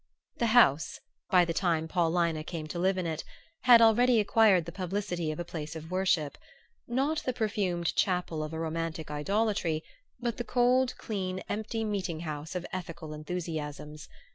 The House, by the time Paulina came to live in it, had already acquired the publicity of a place of worship; not the perfumed chapel of a romantic idolatry but the cold clean empty meeting house of ethical enthusiasms.